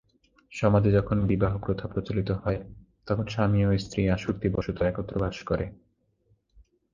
সমাজে যখন বিবাহ-প্রথা প্রচলিত হয়, তখন স্বামী ও স্ত্রী আসক্তিবশত একত্র বাস করে।